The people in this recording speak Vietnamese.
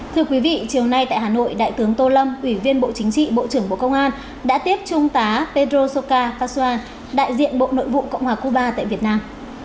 thưa quý vị chiều nay tại hà nội đại tướng tô lâm ủy viên bộ chính trị bộ trưởng bộ công an đã tiếp trung tá pedroka faswan đại diện bộ nội vụ cộng hòa cuba tại việt nam